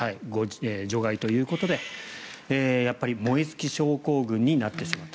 除外ということでやっぱり燃え尽き症候群になってしまった。